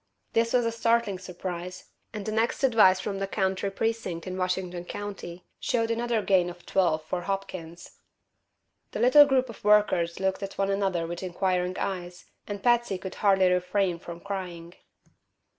This was a startling surprise, and the next advice from a country precinct in Washington County showed another gain of twelve for Hopkins. The little group of workers looked at one another with inquiring eyes, and Patsy could hardly refrain from crying.